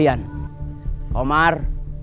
ini tanggung jawab kalian